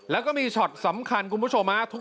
แล้วก็มีช็อตสำคัญคุณผู้ชมฮะ